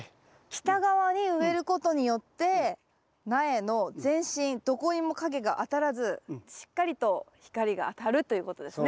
北側に植えることによって苗の全身どこにも影が当たらずしっかりと光が当たるということですね。